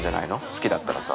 好きだったらさ